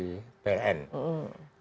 kecuali pln diperbolehkan menambah beban